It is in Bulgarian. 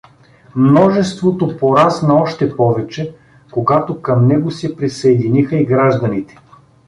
Множеството порасна още повече, когато към него се присъединиха и гражданите.